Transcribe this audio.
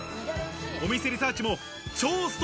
お店リサーチ